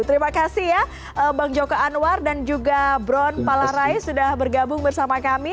terima kasih ya bang joko anwar dan juga bron palarai sudah bergabung bersama kami